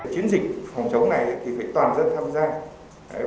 chiến dịch phòng chống này thì phải toàn dân tham gia